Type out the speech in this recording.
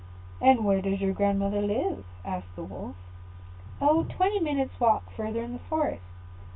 "And where does your grandmother live?" asked the Wolf. "Oh, quite twenty minutes walk further in the forest.